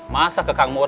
masa ke kang mus